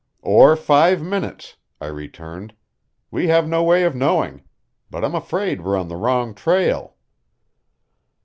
"Or five minutes," I returned. "We have no way of knowing. But I'm afraid we're on the wrong trail."